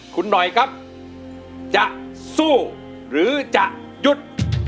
คุณหน่อยครับจะสู้หรือจะหยุด